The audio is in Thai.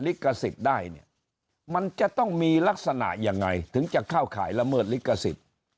ลิขสิทธิ์ได้เนี่ยมันจะต้องมีลักษณะยังไงถึงจะเข้าข่ายละเมิดลิขสิทธิ์